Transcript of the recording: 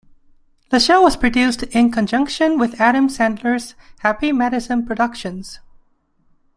The show was produced in conjunction with Adam Sandler's Happy Madison Productions.